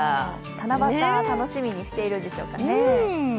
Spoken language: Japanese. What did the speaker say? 七夕、楽しみにしているんでしょうかね。